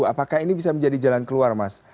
apakah ini bisa menjadi jalan keluar mas